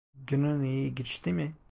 Günün iyi geçti mi?